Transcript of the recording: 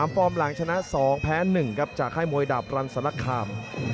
ฟอร์มหลังชนะ๒แพ้๑ครับจากค่ายมวยดาบรันสลคาม